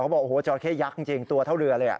บอกโอ้โหจราเข้ยักษ์จริงตัวเท่าเรือเลย